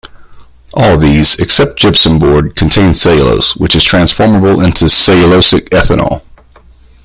All these, except gypsum board, contain cellulose, which is transformable into cellulosic ethanol.